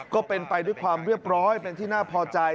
ก็เป็นไปด้วยความเรียบร้อยเป็นที่น่าพอใจ